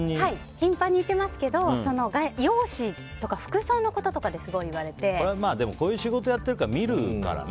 頻繁に言っていますけど容姿とか服装のことでこういう仕事をしてるから見るからね。